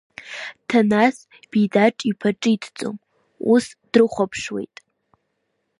Ҭанас Бидаҿ-иԥа ҿиҭӡом, ус дрыхәаԥшуеит.